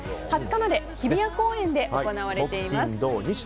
２０日まで日比谷公園で行われています。